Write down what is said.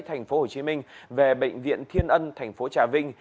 thành phố hồ chí minh về bệnh viện thiên ân thành phố trà vinh